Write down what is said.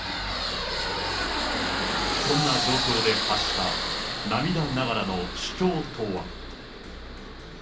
そんな状況で発した涙ながらの主張とは。